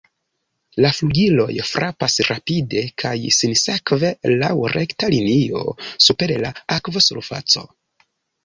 La flugiloj frapas rapide kaj sinsekve laŭ rekta linio super la akvosurfaco.